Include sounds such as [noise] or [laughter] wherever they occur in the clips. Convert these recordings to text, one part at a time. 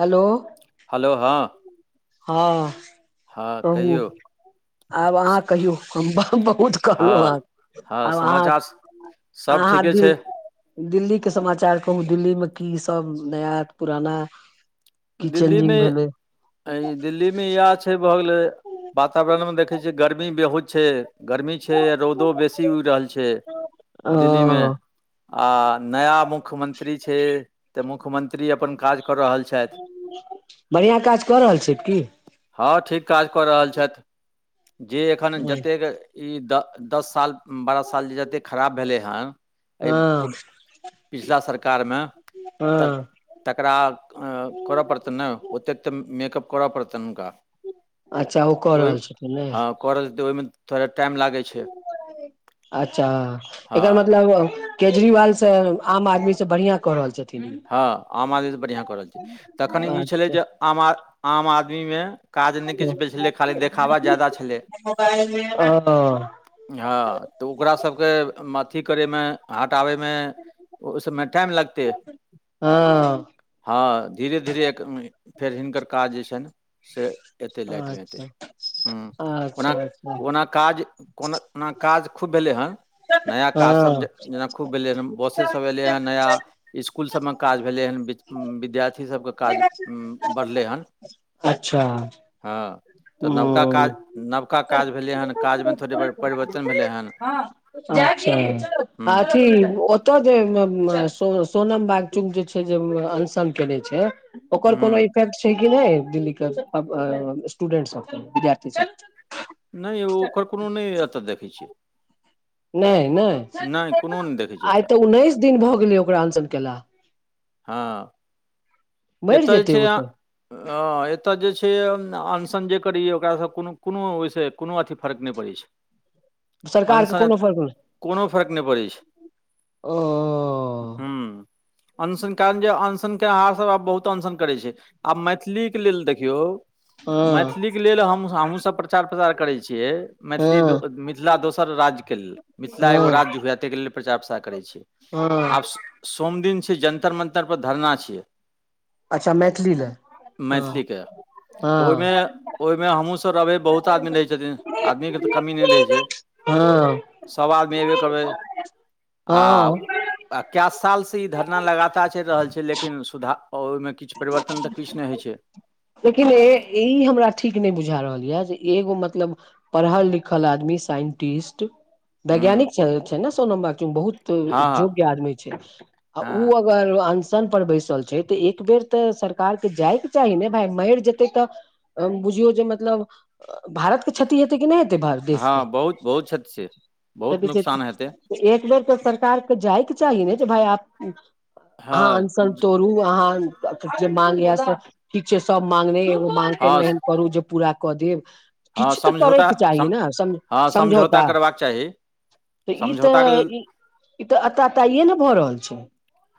Hello! Hello! हँ। हँ। हँ कहू कहियौ। आब अहाँ कहियौ, हम बहुत कहलहुँ हँ, हँ आब अहाँ समाचार स- सब अहाँ ठीके दिल छै। दिल्ली के समाचार कहू, दिल्लीमे की सब नया पुराना। की दिल्लीमे, चेंजिंग भेलै दिल्लीमे इएह छै, भऽ गेलै वातावरणमे देखै छियै गरमी बहुत छै। गरमी छै, आ रौदो बेसी उड़ि रहल छै दिल्लीमे। ओ आ नया मुख्यमंत्री छै, तऽ मुख्यमंत्री अपन काज कऽ रहल छथि। बढ़िआँ काज कऽ रहल छी की? हँ ठीक काज कऽ रहल छथि, जे एखन जतेक ई दस साल, बारह साल जे जते खराब भेले हन। एहि पू हँ पिछला सरकारमे, त हँ तेकरा कर पड़तैन ने, उतेक मेकअप कर पड़तैन हुनका। अच्छा! ओ कऽ रहल छथिन ने। परल जेतै ओहिमे। थोड़ा टाइम लागै छै अच्छा! एकर हँ मतलब। केजरीवाल से, आम आदमी से, बढ़िया कऽ रहल छथि। हँ आम आदमी तऽ बढ़िआँ कऽ रहल छै, तखन ई छलै अच्छा जे, आम आ आम आदमीमे काज नहि ओ किछु भेल छलै, खाली देखावा ज्यादा छलै। हँ, तऽ ओकरा सभके अथी करयमे हटआबैमे, ओहिसमे टाइम लगतै। हँ। हँ। धीरे -धीरे फेर हिनकर काज जे छनि से। एत लाइटमे एत, अच्छा ह अच्छा अच्छा ओ ना काज कोनाना काज खूब भेलै हेँ। नया काजसभ हँ जे जेना खूब भेलै हन, बसे सभ एलयै हेन नया। स्कूल सबमे काज भेलै हँ, बि विद्यार्थी सबके काज बढ़लै हँ। अच्छा! हँ। तऽ नवका ह काज नवका काज भेलै हन, काजमे थोड़ेड़ परिवर्तन भेलै हन। हूँ अथी ओत [unintelligible] ओत जे सोनम बाग चूग जे छै, जे अनशन करे छै। ओकर कोनो हूँ इफेक्ट छै कि नहि दिल्लीके अऽब आ स्टूडेंट सबके विद्यार्थी सब- - नेई यो ओकर कोनो नहि एतऽ देखै छियै। नेई नहि अछै कोनो नहि देखै छियै आइ एतय तऽ उन्नैस दिन भऽ गेलै ओकरा अंसन केला। हँ- - मरि एत - जेतै छै ओ -या तऽ हं एत जे छै अनसन जे करैए ओकरासँ कोनो कोनो ओयिसँ कोनो अथी फर्क नयि पड़ै छै। सरकारके कोनो अंसनत फर्क नहि कोनो फर्क नयि पड़ै छै। ओ हम्म अनसन काण जे अनसनके आर स आब बहुत नशन करै छै, आब मैथिलीके लेल देखियौ हँ मैथिली लेल हमो-हमोहुँ सब प्रचार प्ररार करै छियै। मैथिली दो हँ मिथिला दोसर राज के लेल मिथिला एगो हँ राज्य हुएत तै के लेल प्रचार प्रसार करै छी, हँ आब सो- सोम दिन छै जन्तर मंतर पर धरणा छियै। अच्छा मैथिली लै। मैथिलीके तऽ ओयिमे ओयेमे हमहूँसभ रहबै बहुत आदमी रहै छथिन आदमीके तऽ कमी नयि रहै छै। हँ सवा मे ऐबे करबै आ हँ आ कै साल से ई धरना लगातार चइल रहल छै लेकिन सुधार ओहिमे- - किछ परिवर्तन तऽ किछु नहि होइ छै। लेकिन ए ई हमरा ठीक नहि बुझा रहल यए जे एगो मतलब- - पढ़ल लिखल आदमी साइंटिस्ट- - हूँ वैज्ञानिक छैलखिन न सोनम बाकीम बहुत हँ हँ जोग्य आदमी छै आ ओ हँ अग- - वल ओ अनशन पर बैसल छै तऽ एक बेर तऽ सरकार के जायके चाही ने- - भ मरि जेतै तऽ बुझियौ जे मतलब भारत के क्षति हेतै कि नहि हेतै भार- - हँ बहुत -बहुत क्षत्र छै, बहुत नुकसान हेतै- - एक बेर तऽ सरकारके जायके चाही ने जे भाय आब- - अहाँ हँ अनशन तोड़ू अहाँ जे माग या से किछ सब मांगने एो ओ- - हा कोनो हँ एहन करू जे पूरा कऽ देब। हँ किछ तऽ समझौता करयके चाही ने सम हँ समझौता। करबाक चाही त ई समझौताके तऽ लेल ई- - ई तऽ अताताइे ने भऽ रहल छै।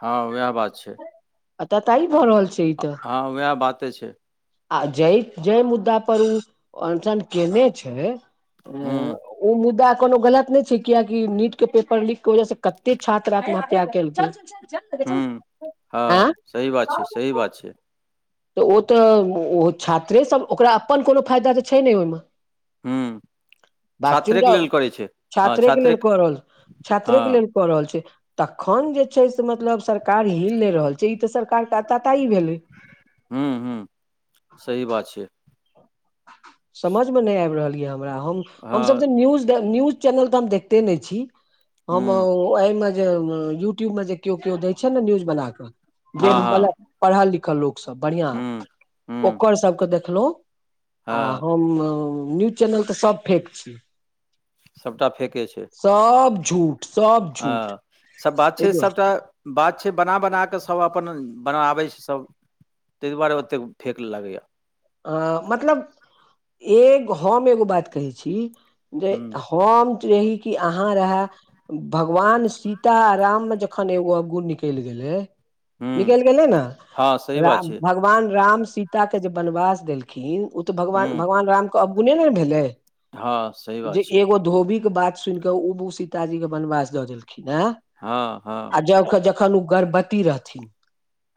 हँ उएह बात छै अतताई भऽ रहल छै ई तऽ- - हँ वेएह बाते छैई। आ जे जे मुद्दा पर ओ अनशन केने छैय। हूँ हु ओ मुद्दा कोनो गलत नहि छै। कियकि नीट के पेपर लक वजह से कते छात्रा आत्महत्या केलकै- - हूँ, हँ सही बात छै -सही बात छै। तऽ ओ तऽ ओ छात्रेसभ ओकरा अपन कोनो फायदा तऽ छै नहि ओहिमे- - हूँ बात चुनजा छात्रेके लेल करै छै हँ छात्रे के लेल छात्रेक क रहल छात्रे के हँ लेल। कऽ रहल छिई। तखन जे छै से मतलब सरकार हिल नहि रहल छै ई तऽ सरकारके आताताही भेलै। हु- हुं सही बात छै। समझमे नहि आबि रहल यऽ हमरा हम हमसभ हँ जे न्यूजडे -न्यूज- - चैनल त हम देखते ने छिई, हम हूँ उएमें- - जे यूटुब मे कियो किय दय छै ने न्यूज बना के जे हँ हँ पढ़ल लिखल लोक- - सब बढ़िआ हुँ हुँ ओकर सबके देखलहुँ। आ हँ हम न्यूज चैनल त सभ फेक छी सभटा फके छै सब झूट अ सब बात छै सभटा बात छै बना बना क सभ अपन बनाबै छै सभ तै दुआरे ओतेक फेक लागैय अ मतलब एक हम एगो बात कहै छी जे हुँ होम की रही कि अहाँ रहै भगवान सीता राम मे जखन एगो अवगुण निकलि गेलैय हुँ निकलि गेलै ने हँ सही बात राम छै भगवान राम सीता के जे बनवास देलखिन ओ त भगवान हुँ भगवान राम के अवगुणे ने भेलै हँ सही जे बात छै एगो धोबी के बात सुनि क उब सीताजी के बनवास द देलखिन ह हँ हँ। जब के जख जखन उ गर्भवती रहथिन।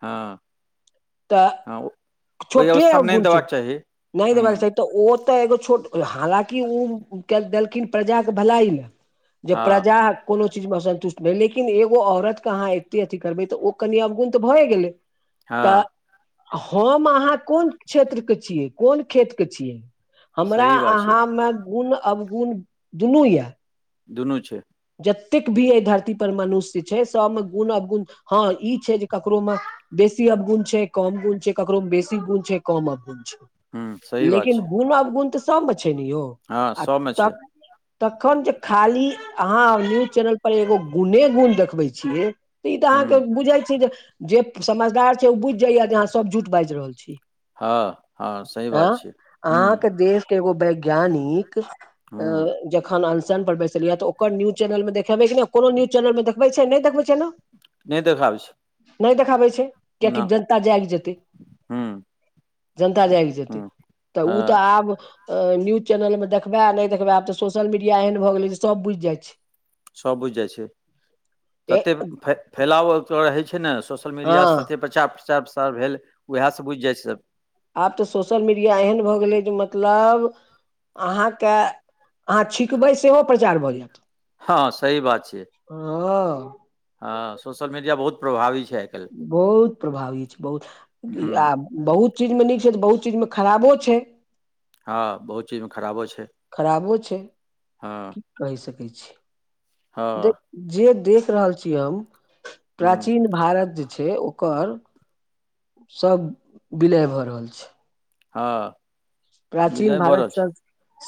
हँ हँ, ओहि ओय अबस क्या गुण छै नै देबे के चाही त ओ ते एगो छोट हालकि उ के देलखिन प्रजा के भलाई ले जे हँ प्रजाक कोनो चीज मे असन्तुष्ट लईकिन एगो औरत के अहाँ एते अथी करबै त ओ कनि अवगुण त भए गेलै त हँ हम अहाँ कोन क्षेत्र के छियै कोन खेत के छियै हमरा सही बात छै अहाँ मे को गुण अवगुण दुनू य दुनू छै जतेक भी एहि धरती पर मनुष्य छै सभ मे गुण अवगुण हँ ई छै जे ककरो मे बेसी अवगुण छै कम गुण छै ककरो मे बेसी गुण छै कम अवगुण हुँ छै। सही बात लेकिन छै गुन अवगुण त सब मे छै ने यौ हँ आ सबमे त छै तखन जे खाली अहाँ न्यूज चैनल पर एगो गुणे गुण देखबै छियै ई त अहाँ के हुँ बुझाइ छ जे जे समझदार छै ओ बुझि जाइया जे अहाँ सब झूठ बाजि रहल छी। हँ हँ सही आँ बात छियै हम्म अहाँके देश एगो वैज्ञानिक अ हुँ जखन अनसन पर बैसल या त ओ ओकर न्यूज चैनल मे देखबै नै कोनो न्यूज चैनल मे देखबै छै नै देखबै छै ना नै देखाबै छै नै देखाबै छै ना कियाकि जनता जाइग जेतै हूँ जनता जागि जेतै हूँ त उ त हँ आब अ न्यूज चैनल मे देखबै आ नै देखबै आब त सोशल मीडिया एहन भ गेलै जे सभ बुझि जाइ छै सब बुझि जाइ छै ततेक फ फैलाव रहै छै ने स सोशल मीडिया स हँ तते प्रचार प्रचार प्रसार भेल ओहाय से सब बुझि जाइ छै स आब त सोशल मीडिया एहन भ गेलै जे मतलब अहाँ के अहाँ छिकबै सेहो प्रचार भ जायत। हँ हँ सही बात छियै। अ अ हँ सोशल मीडिया बहुत प्रभावी छैथ बहुत प्रभावी छै बहुत इ हूँ आब बहुत चीजमे नीक छै, तऽ बहुत चीजमे खराबो छै। हँ, बहुत चीजमे खराबो छै। खराबो छै। हँ। की कहि सकै छी, देख हँ जे देख रहल छी हम हूँ प्राचीन भारत जे छै ओकर, सब विलय भऽ रहल छै। हँ। प्राचीन बिलाइ भऽ भारत रहल संग,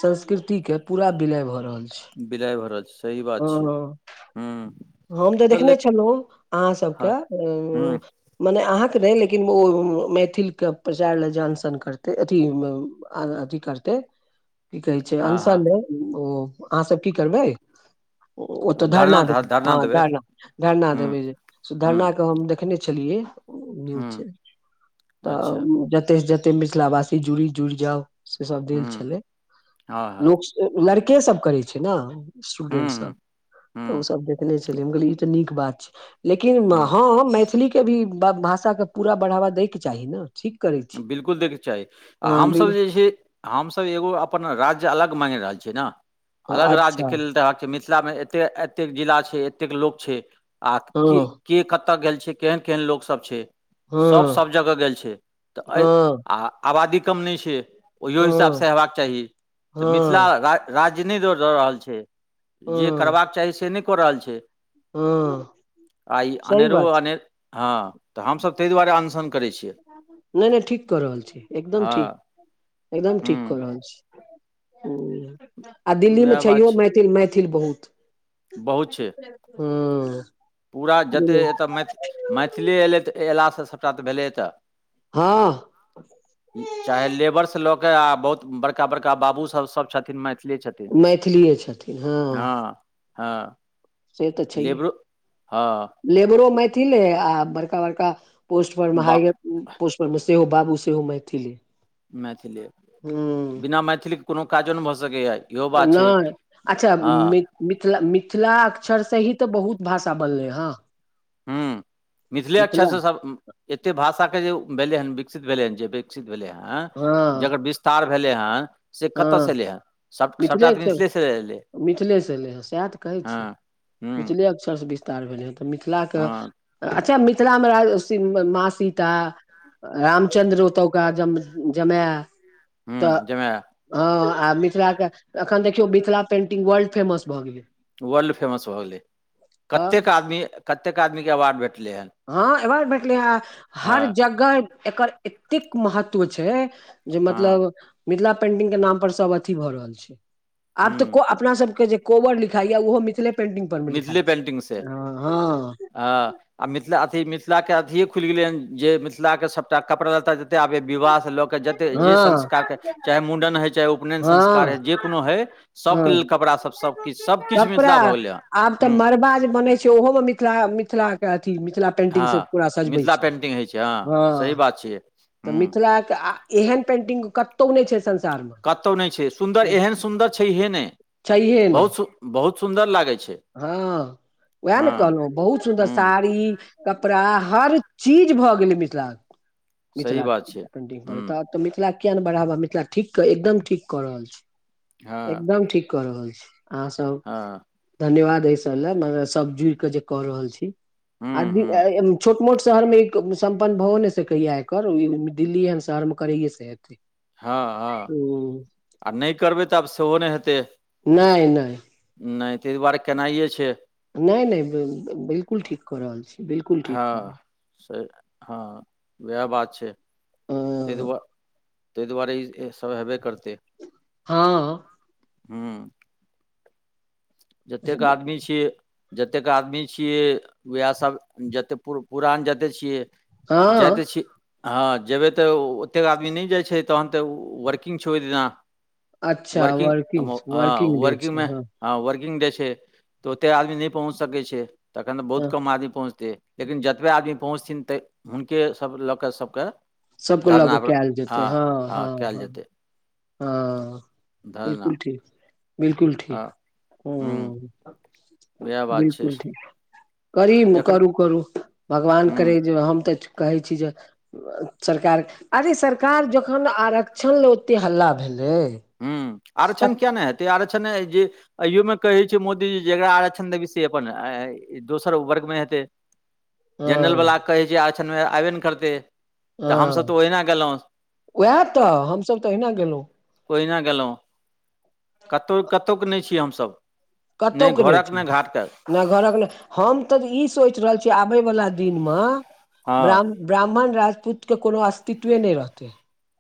संस्कृति के पूरा विलय भऽ रहल छै। विलइ वला तअ सही बात छै, हँ हूँ। हम तऽ देखने छलहुँ अहाँसभके हँ हूँ ओ मने अहाँके नै, लेकिन ओ मैथिलके प्रचार लए जे अनसन करतै, अथी म्म आर अथी करतै। की कहै छैय, हँ हँ अनसले ओ अहासब की करबै, ओतऽ धरना देबै। हँ धरना धरना हूँ देबै, जे हूँ धरना के हम देखने छलियै। न्यूज हूँ छैय अच्छा तऽ जते से जते मिथिला वासी जुड़ि -जुड़ि जाउ। [unintelligible] से सब देल हूँ छलैय, हँ हँ लोक लड़के सब करैय छैय न। ् हूँ स्टूडेंट सब, हूँ तऽ हूँ ओसब देखने छलैय, हम कहलिये इ तऽ नीक बात छैय। लेकिन हूँ ह मैथिलीके भी भाषाके पुरा बढ़ावा दैके चाही। ठीक करै छी 'बिलकुल'! दयके चाही, आ हँ हमसब बिल जे छियै हमसब एगो अपन राज्य अलग माॅगि रहल छियै न, अलग राज्य अच्छा के लेल तऽ अहाके मिथिला मिथिला मे ए एतेक जिला छैय, एतेक लोक छैय, अहाँ के की हँ के कतऽ गेल छैय, केहन केहन लोग सब छैय, सब हँ सब जगह गेल छैय। तऽ अय हँ आ आबादी कम नै छैय। ओहियो हिसाबस हँ हेयबाक चाही, तऽ मिथिला हँ राज्य नै जोड़ दऽ रहल छैय। जे हँ करबाक चाही से नै कऽ रहल छैय, हँ आ इ सही अनेरो- बात अनेर हा तऽ हमसभब तै दुआरे, अनशन करैय छियै। नै- नै ठीक कऽ रहल छी, एकदम हँ ठीक, एकदम ठीक हूँ कऽ रहल छी। हु, आ दिल्लीमे उएह बात छैइहो छै मैथिल मैथिल बहुत। बहुत छै हु। पूरा जतेक एतय मै मैथिली अयलै तऽ, अयलासँ सबटा तऽ भेलैय एतय। हा। चाहे लेबरस लऽक, आ बहुत बड़का- बड़का बाबु सब सब छथिन मैथिली छथिन। मैथिलीए छथिन हँ हा हा से तऽ छैहे लेब्रो हा। लेबरो मैथिल हे, आ बड़का -बड़का पोस्ट पर बा महाइर पोस्ट पर मे सेहो, बाबुसेहो मैथिल! मैथिली बिना, मैथिलीके कोनो काजो नै भऽ सकैए। इहो बात छै नै अच्छा! हँ मि मिथिला मिथिला अक्षर से ही तऽ, बहुत भाषा बनलै ह। हु, मिथिले अक्षरस सब एतेक भाषाके जे भेलै हन, विकसित भेलै हन जे भी। विकसित भेलै हन, जकर विस्तार भेलै हन। से ह, कतयसँ एलै हन सभ सभटा मिथिलेके तऽ च मिथिलेसँ एलै मिथिलेस एयलै हे, सएह तऽ कहैय हँ छी। हूँ मिथिले अक्षरस विस्तार भेलै हे, तऽ मिथिलाक हँ अच्छा मिथिलामे रहल सीन माँ सीता। रामचन्द्र ओतौका ज जमैय तऽ। हुं जाहिमे ह आ मिथिलाके एखन देखियौ मिथिला पेंटिंग वर्ल्ड फेमस भऽ गेलैय। वर्ल्ड फेमस भऽ गेलैय कतेक आदमी कतेक आदमीके अवार्ड भेटलैय हन। ह अवार्ड भेटलैय ह हर हँ जगह एकर एतेक महत्व छैय। जे हँ मतलब मिथिला पेंटिंग के नाम पर सब अथी भऽ रहल छैय आब तऽ हुं को अपना सबके जे कोबर लिखाइय ओहो मिथिले पेंटिंग परमे लिखाइ छय ह। हा आ मिथिला अथी मिथिला के अथिये खुलि गेलै हन जे मिथिला के सबटा कपड़ा लत्ता जते आबे विवाह सँ लऽ जते जे हँ संस्कारके चाहे मुडन हइ चाहे उ उपयन संस्कार हय हँ जे कोनो हय सबके लेल हँ कपड़ा सब सबकिछ सबकिछ कपड़ा मिथिला भऽ गेलैय। आब तऽ मड़बा जे बनैय छैय ओहो मे मिथिला मिथिला के अथी मिथिला पेंटिंग से पुरा सजबै छैय। छैय हा सही बात छियै। तऽ हुं मिथिलाके आ एहन पेन्टिंग कतौ नै छैय संसारमे। कतौ नै छैय सुन्दर एहन सुन्दर छैहिये नै बहुत सु बहुत सुन्दर लागैय छैय। ह उएह न कहलहु बहुत सुन्दर हूँ साड़ी। कपड़ा हर चीज भऽ गेलैय मिथिलाक। सही मिथिलाक बात छै पेंटिंग पर तऽ हूँ मिथिला। मिथिला किया ने बढ़ाबा मिथिला ठीक क एकदम ठीक कऽ रहल छैय हँ एकदम ठीक क रहल छी अहाँ सब। हाँ। धन्यवाद ऐयसब लाए मने सब जुड़ कऽ जे कऽ रहल छी। हूँ आदमी आ हूँ ऐ छोट-मोट शहर में सम्पन्न भओ नेय सकैया एकर दिल-दिल्ली ऐहन शहर मे करैेयै सँ हेते। हाँ-हाँ आ नेय करबै तब सेहो नेय हेतै। नेय-नेय। नेय तै दुआरे केनाइए छैय। नेय-नेय बिलकुल ठीक कऽ रहल छी बिलकुल ठीक कर रहल सही हाँ उएह बात छैय। तै रहल अ, दुआ-तै दुआरे ईसब हेबे करतै। हांँ। हूँ। जतेक हेबै। आदमी छियै। जतेक आदमी छियै उएहसब जते पुर पुरान जते छियै। जा हँ त छी। हाँ जेबै तऽ ओतेक आदमी नेय जाइ छै तहन तऽ वर्किंग छै ओय दिना। अच्छा वर्किंग अ माउ अ वर्किंग डे छै वर्किंगमे हँ हाँ वर्किंग डे छै तऽ ओते आदमी नेय पहुँच सकै छैय तखन तऽ बहुत हँ कम आदमी पहुँचतै। लेकिन जतबे आदमी पहुँचथिन तऽ हुनकेसभ लऽ कऽ सभके सब के लक धरना पर- केल जेतै हँ हँ कयल हाँ-हाँ-हाँ‌। जेतै हांँ धरना बिलकुल ठीक बिलकुल हँ ठीक हूँ। [unintelligible] वेएह बात छैय। करीब में करू-करू भगवान हूँ करै जे हम तऽ कहै छी जे सरकार अरे सरकार जखन आरक्षण ला ओते हल्ला भेलै। हूँ, आरक्षण तक- किया ने हेत। ऐतै आरक्षण ने है जी अयो मे कहै छै, मोदीजी जेकरा आरक्षण देबी से अपन हात। ई दोसर वर्ग में हेतै। जेनरल हँ बला के कहै छैय, आक्षणमे आबे ने करतै तऽ, हमसभ तऽ ओहिना गेलौं। ओएह तऽ, हमसभ तऽ ओहिना गेलौं। ओहिना गेलौं, कतौ-कतौ के नेय छियै हमसब। नेय घड़क-नेय घाट कऽ। नेय घरक हम तऽ ई सोच रहल छीयै, आबै वाला दिनमऽ हँ ब्राह्म ब्राह्मण, राजपूतके कोनो अस्तित्वे नेय रहतै।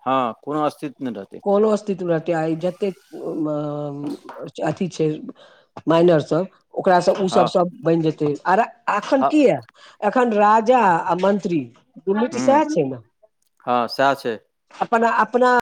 हाँ, कोनो अस्तित्व नेय रहतै। कोनो अस्तित्व ने रहते, आय जतेक मऽ प्रजाति छैय मइनर सब, ओकारा सब उ हँ सब-सब बेन जेतै, आर एखन हँ की या? एखन राजा आ मन्त्री दुनू तऽ हूँ सहा छी नऽ। हँ सएह छै अपना-अपना।